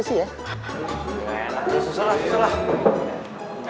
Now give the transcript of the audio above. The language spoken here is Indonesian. susah lah susah lah